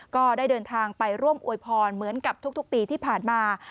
ก็ได้เดินทางไปร่วมอวยพรเหมือนกับทุกปีที่ผ่านมา